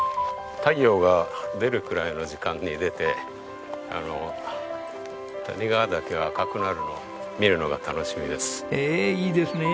太陽が出るくらいの時間に出て谷川岳が赤くなるのを見るのが楽しみです。